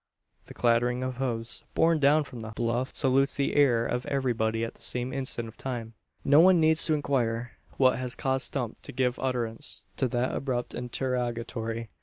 The clattering of hoofs, borne down from the bluff, salutes the ear of everybody at the same instant of time. No one needs to inquire, what has caused Stump to give utterance to that abrupt interrogatory.